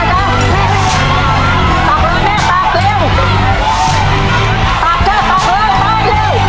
ตากเลยแม่ตากเร็วตากเถอะตากเร็วตากเร็ว